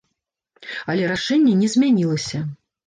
Але рашэнне не змянілася!